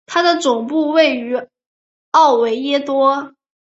它的总部位于奥维耶多。